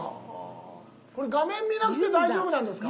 これ画面見なくて大丈夫なんですか？